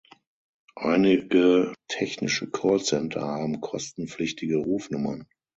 Einige technische Callcenter haben kostenpflichtige Rufnummern.